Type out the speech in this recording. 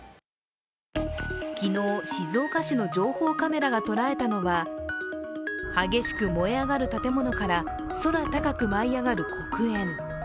昨日、静岡市の情報カメラが捉えたのは激しく燃え上がる建物から空高く舞い上がる黒煙。